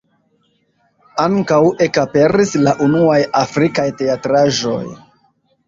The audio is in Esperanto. Ankaŭ ekaperis la unuaj afrikaj teatraĵoj.